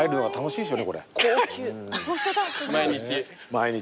毎日。